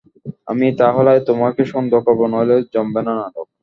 আমিই তা হলে তোমাকে সন্দেহ করব, নইলে জমবে না নাটক।